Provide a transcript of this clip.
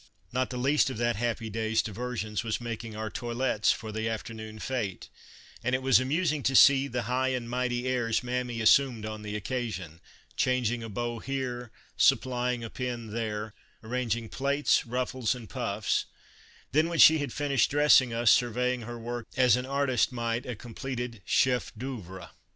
Not the least of that happy day's diversions was making our toilettes for the afternoon fete, and it was amusing to see the high and mighty airs Mammy assumed on the occasion, changing a bow here, supplying a pin there, arranging plaits, ruffles and puffs, then when she had finished dressing us survey ing her work as an artist might a completed chef d'oeuvre.